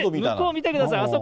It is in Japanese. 向こう見てください。